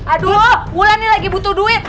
aduh bulan ini lagi butuh duit